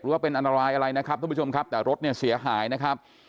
ว่าเป็นอันตรายอะไรนะครับทุกผู้ชมครับแต่รถเนี่ยเสียหายนะครับ